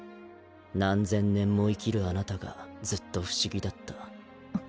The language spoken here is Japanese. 何千年も生きるあなたがずっと不思議だったん？